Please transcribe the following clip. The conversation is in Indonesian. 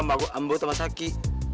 ambo tambah sakit